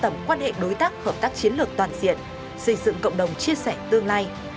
tầm quan hệ đối tác hợp tác chiến lược toàn diện xây dựng cộng đồng chia sẻ tương lai